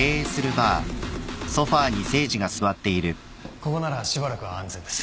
ここならしばらくは安全です。